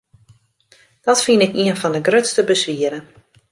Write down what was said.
Dat fyn ik ien fan de grutste beswieren.